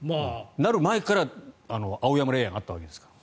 なる前から青山霊園はあったわけですから。